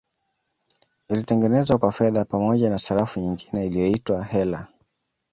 Ilitengenezwa kwa fedha pamoja na sarafu nyingine iliyoitwa Heller